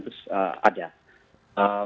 itu memang ada